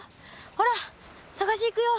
ほら探し行くよ。